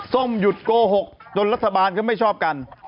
ส้มหยุดโกหกจนรัฐบาลก็ไม่ชอบกัน